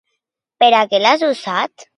Per a què l'han usat?